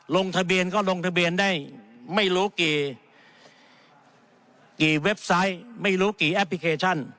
ลงทะเบียนก็ลงทะเบียนได้ไม่รู้กี่เว็บไซต์ไม่รู้กี่แอปพลิเคชัน